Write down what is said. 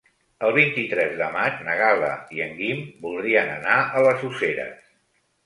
El vint-i-tres de maig na Gal·la i en Guim voldrien anar a les Useres.